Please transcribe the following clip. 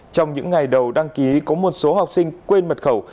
trong những ngày đầu đăng ký có một số học sinh quên mật khẩu